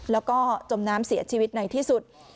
แล้วก็จมน้ำเสียชีวิตในที่สุด